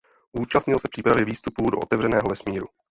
Účastnil se přípravy výstupů do otevřeného vesmíru.